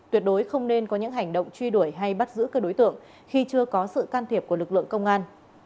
tuyệt đối không nên có những hành động truy đuổi hay bắt giữ các đối tượng khi chưa có sự can thiệp của lực lượng công an